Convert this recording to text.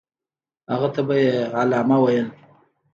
هغه ته به یې علامه ویل.